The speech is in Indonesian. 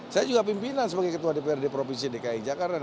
saya juga pimpinan sebagai ketua dprd provinsi dki jakarta